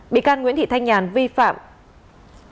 bị can nguyễn thị thanh nhàn vi phạm keer tội danh